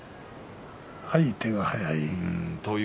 手が速い。